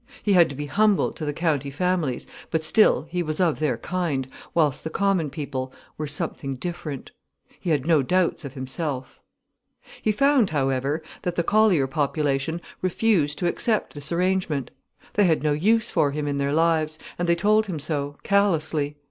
He had to be humble to the county families, but still, he was of their kind, whilst the common people were something different. He had no doubts of himself. He found, however, that the collier population refused to accept this arrangement. They had no use for him in their lives, and they told him so, callously.